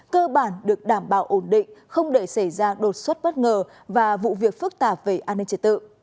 cơ bản được đảm bảo ổn định không để xảy ra đột xuất bất ngờ và vụ việc phức tạp về an ninh trật tự